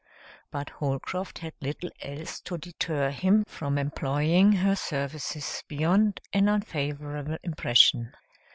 But Holcroft had little else to deter him from employing her services beyond an unfavorable impression.